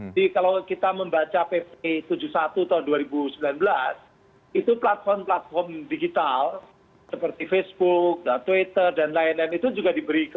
jadi kalau kita membaca pp tujuh puluh satu tahun dua ribu sembilan belas itu platform platform digital seperti facebook twitter dan lain lain itu juga diberikan